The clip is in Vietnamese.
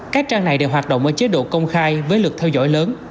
các trang này đều hoạt động ở chế độ công khai với lượt theo dõi lớn